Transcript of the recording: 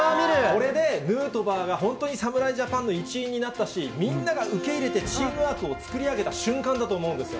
これで、ヌートバーが本当に侍ジャパンの一員になったし、みんなが受け入れて、チームワークを作り上げた瞬間だと思うんですよ。